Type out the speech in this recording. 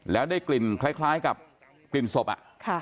แล้วได้กลิ่นคล้ายกับกลิ่นศพ